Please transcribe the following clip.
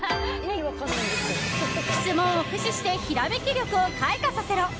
質問を駆使してひらめき力を開花させろ。